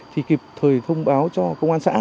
thì kịp thời thông báo cho công an xã